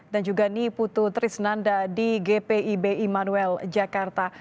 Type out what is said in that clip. juga niputu trisnanda di gpib immanuel jakarta